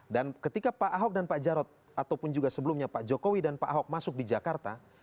dan ketika pak ahok dan pak jarod ataupun juga sebelumnya pak jokowi dan pak ahok masuk di jakarta